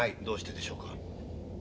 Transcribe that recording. どうしてでしょうか？